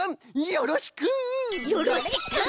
よろしく！